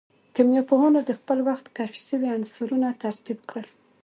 کيميا پوهانو د خپل وخت کشف سوي عنصرونه ترتيب کړل.